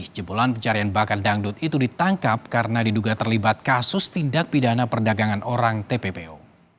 jebolan pencarian bakat dangdut itu ditangkap karena diduga terlibat kasus tindak pidana perdagangan orang tppo